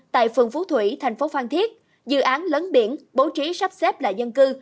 tại phường phú thủy thành phố phan thiết dự án lấn biển bố trí sắp xếp lại dân cư